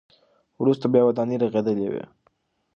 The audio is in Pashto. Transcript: وروسته بیا ودانۍ رغېدلې ده.